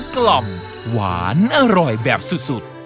กล่อมหวานอร่อยแบบสุด